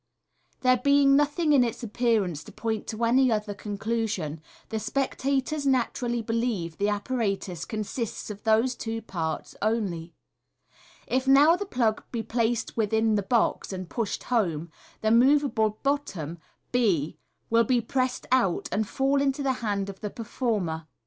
There being nothing in its appearance to point to any other conclusion, the spectators naturally believe that the apparatus consists of those two parts only. If now the plug be placed within MODERN MAGIC, 193 the box, and pushed home, the moveable bottom, hf will be pressed out, and fall into the hand of the performer.